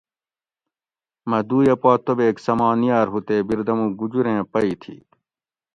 مۤہ دُویۤہ پا توبیک سما نیاۤر ہُو تے بیردمو گُجُریں پئ تھی